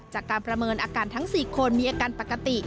จากการประเมินอาการทั้ง๔คนมีอาการปกติ